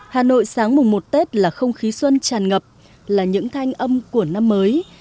hà nội sáng mùng một tết là không khí xuân tràn ngập là những thanh âm của năm mới